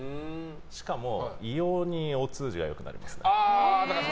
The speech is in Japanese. しかも、異様にお通じが良くなりますね。